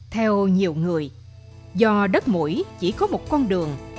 theo nhiều người do đất mũi chỉ có một con đường